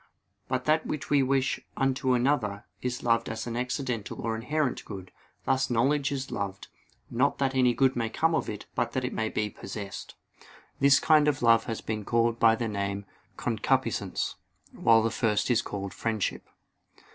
But that which we wish unto another, is loved as an accidental or inherent good: thus knowledge is loved, not that any good may come to it but that it may be possessed. This kind of love has been called by the name "concupiscence" while the first is called "friendship."